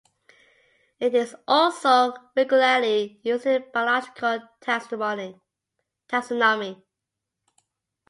It is also regularly used in biological taxonomy.